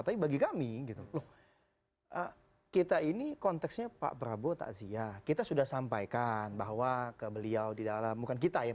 tapi bagi kami gitu loh kita ini konteksnya pak prabowo takziah kita sudah sampaikan bahwa ke beliau di dalam bukan kita ya pak ander ya pak jokowi